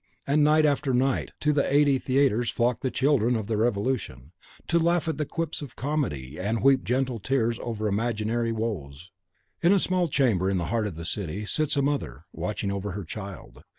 And night after night, to the eighty theatres flock the children of the Revolution, to laugh at the quips of comedy, and weep gentle tears over imaginary woes! In a small chamber, in the heart of the city, sits the mother, watching over her child.